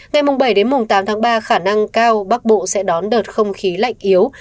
ngày bảy tám tháng ba khả năng cao bắc bộ sẽ đón đợt không khí lạnh yếu